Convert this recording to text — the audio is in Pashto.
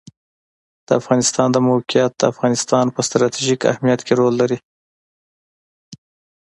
د افغانستان د موقعیت د افغانستان په ستراتیژیک اهمیت کې رول لري.